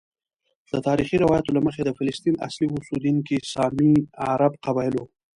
د تاریخي روایاتو له مخې د فلسطین اصلي اوسیدونکي سامي عرب قبائل وو.